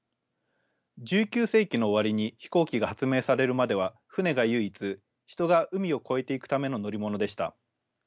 １９世紀の終わりに飛行機が発明されるまでは船が唯一人が海を越えていくための乗り物でした。